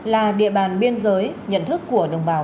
là địa bàn biên giới nhận thức của đồng bào